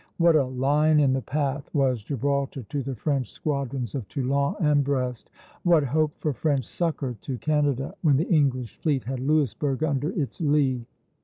What a lion in the path was Gibraltar to the French squadrons of Toulon and Brest! What hope for French succor to Canada, when the English fleet had Louisburg under its lee?